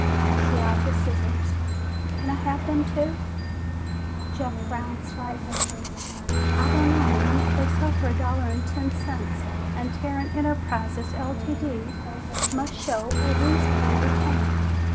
She eyed the scissors. "Can I have them, too?" Jeff frowned slightly. "I don't know, ma'am. They sell for a dollar and ten cents, and Tarrant Enterprises, Ltd., must show a reasonable return.